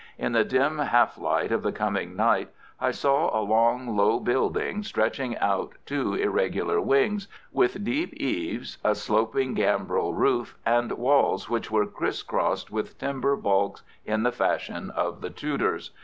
In the dim half light of the coming night I saw a long, low building stretching out two irregular wings, with deep eaves, a sloping gambrel roof, and walls which were criss crossed with timber balks in the fashion of the Tudors.